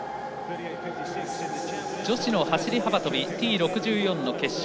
女子の走り幅跳びＴ６４の決勝。